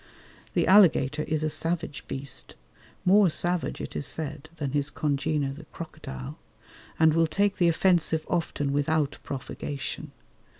The alligator is a savage beast, more savage it is said than his congener the crocodile, and will take the offensive often without provocation.